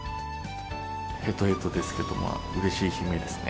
へとへとですけれども、うれしい悲鳴ですね。